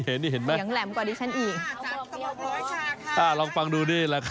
เสียงแหลมกว่าดิฉันอีก